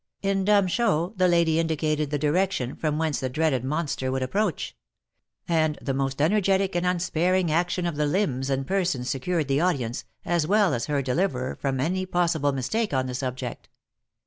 In dumb show the lady indicated the direction from whence the dreaded monster would approach ; and the most energetic and un sparing action of the limbs and person secured the audience, as well as her deliverer, from any possible mistake on the subject.